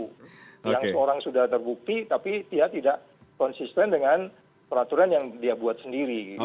yang seorang sudah terbukti tapi dia tidak konsisten dengan peraturan yang dia buat sendiri